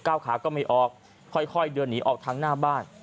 ขาก็ไม่ออกค่อยเดินหนีออกทางหน้าบ้าน